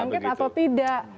terjangkit atau tidak